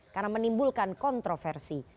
karena menimbulkan kontroversi